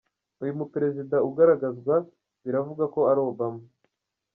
Uyu muperezida ugaragazwa, biravugwa ko ari Obama.